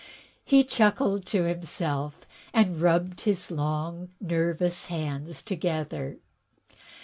*' He chuckled to himself and rubbed his long, nervous hands together.